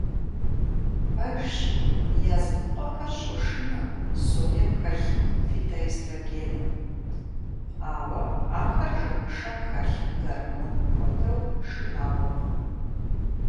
Пэжщ, языныкъуэхэр щошынэ соем хэлъ фитоэстрогеным, ауэ ахэр жэмышэм хэлъ гормоным хуэдэу шынагъуэкъым.